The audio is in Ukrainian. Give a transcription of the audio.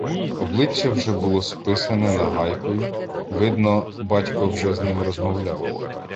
Обличчя вже було "списане" нагайкою, видно, "батько" вже з ним "розмовляв".